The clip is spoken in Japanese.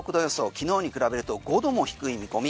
昨日に比べると５度も低い見込み。